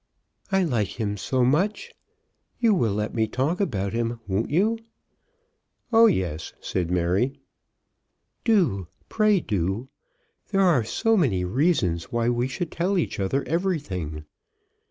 "I like him so much. You will let me talk about him; won't you?" "Oh, yes," said Mary. "Do; pray do. There are so many reasons why we should tell each other everything."